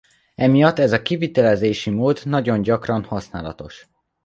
Emiatt ez a kivitelezési mód nagyon gyakran használatos.